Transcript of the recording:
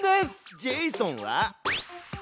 ジェイソンは？